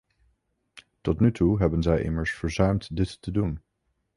Tot nu toe hebben zij immers verzuimd dit te doen.